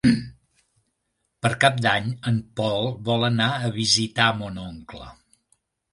Per Cap d'Any en Pol vol anar a visitar mon oncle.